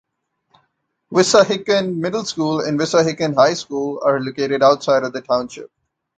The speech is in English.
Wissahickon Middle School and Wissahickon High School are located outside of the township.